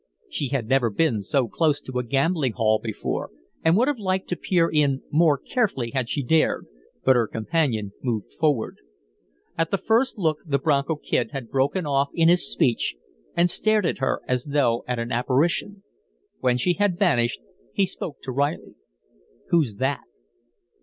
She had never been so close to a gambling hall before, and would have liked to peer in more carefully had she dared, but her companion moved forward. At the first look the Bronco Kid had broken off in his speech and stared at her as though at an apparition. When she had vanished, he spoke to Reilly: "Who's that?"